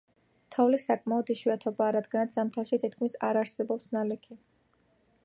თოვლი საკმაოდ იშვიათობაა, რადგანაც ზამთარში თითქმის არ არსებობს ნალექი.